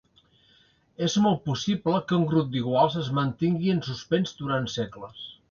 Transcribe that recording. És molt possible que un grup d'iguals es mantingui en suspens durant segles.